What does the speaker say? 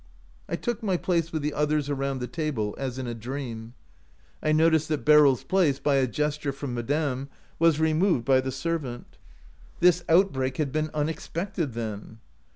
" I took my place with the others around the table, as in a dream. I noticed that Beryl's place, by a gesture from madame, was removed by the servant. This out 3i OUT OF BOHEMIA break had been unexpected, then